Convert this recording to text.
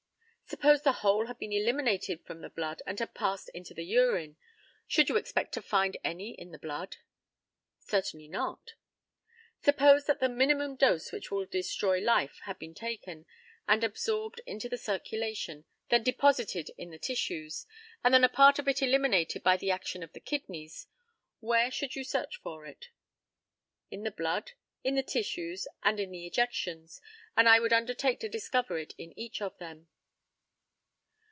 Suppose the whole had been eliminated from the blood, and had passed into the urine, should you expect to find any in the blood? Certainly not. Suppose that the minimum dose which will destroy life had been taken, and absorbed into the circulation, then deposited in the tissues, and then a part of it eliminated by the action of the kidneys, where should you search for it? In the blood, in the tissues, and in the ejections; and I would undertake to discover it in each of them.